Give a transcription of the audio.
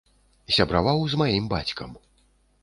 Сябраваў з маім бацькам.